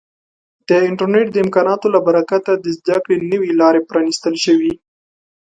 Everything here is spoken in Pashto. د انټرنیټ د امکاناتو له برکته د زده کړې نوې لارې پرانیستل شوي.